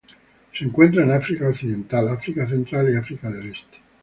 Se encuentra en África occidental África Central y África del Este.